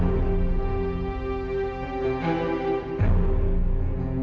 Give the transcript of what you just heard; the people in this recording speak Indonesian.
kau kau objective nya pengen kukur b celebrating kan